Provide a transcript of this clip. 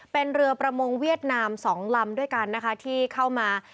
เป็นเรือประมงเวียดนาม๒ลำด้วยกันนะคะที่เข้ามา